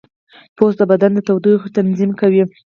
پوست د بدن د تودوخې تنظیم کوي.